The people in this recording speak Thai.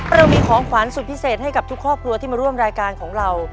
เรามีของขวัญสุดพิเศษให้กับทุกครอบครัวที่มาร่วมรายการของเรา